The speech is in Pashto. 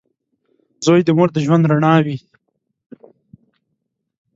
• زوی د مور د ژوند رڼا وي.